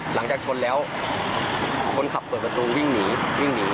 หลังจากชนแล้วคนขับเปิดประตูวิ่งหนี